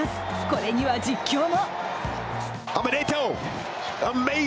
これには実況も。